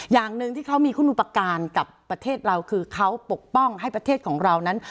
อย่างหนึ่งที่เขามีคุณอุปการณ์กับประเทศเราคือเขาปกป้องให้ประเทศของเรานั้น